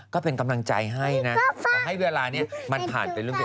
ก็เป็นกำลังใจให้นะ